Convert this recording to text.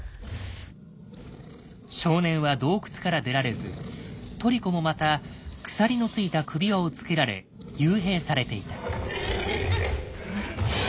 少年は洞窟から出られずトリコもまた鎖のついた首輪を付けられ幽閉されていた。